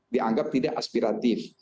dianggap tidak aspiratif